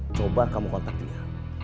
coba kamu kontakt dia